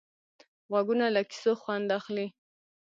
غوږونه له کیسو خوند اخلي